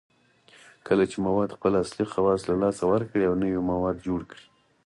کله چې مواد خپل اصلي خواص له لاسه ورکړي او نوي مواد جوړ کړي